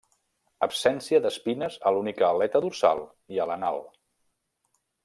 Absència d'espines a l'única aleta dorsal i a l'anal.